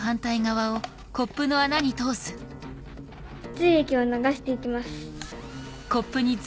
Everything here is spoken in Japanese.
髄液を流していきます。